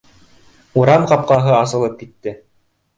Урам ҡапҡаһы асылып китте